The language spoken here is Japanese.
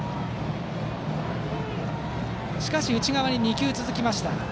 しかし、内側に２球続きました。